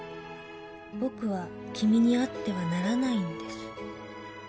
「僕は君に会ってはならないんです」